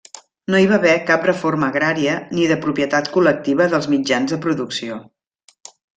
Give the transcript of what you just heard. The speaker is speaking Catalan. No hi va haver cap reforma agrària ni de propietat col·lectiva dels mitjans de producció.